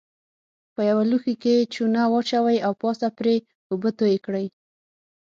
په یوه لوښي کې چونه واچوئ او پاسه پرې اوبه توی کړئ.